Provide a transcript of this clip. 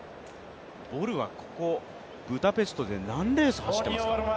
ボルはここブダペストで何レース走ってますか？